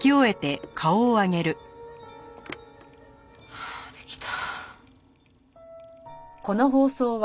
はあできた。